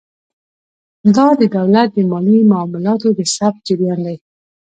دا د دولت د مالي معاملاتو د ثبت جریان دی.